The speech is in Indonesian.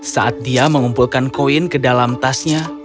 saat dia mengumpulkan koin ke dalam tasnya